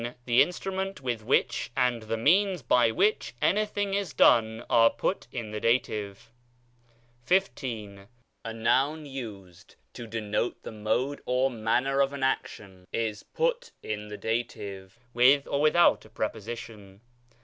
The instrument with which and the means by which anything is done are put in the dative. » 52 AN INTRODUCTION TO NEW TESTAMENT GREEK. XV. A noun used to denote the mode or manner of an action is put in the dative, with or without a preposition.